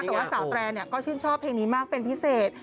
แต่ว่าสาวแตรนก็ชื่นชอบเพลงนี้มากเป็นพิเศษ